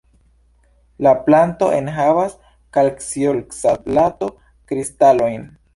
La planto enhavas kalcioksalato-kristalojn.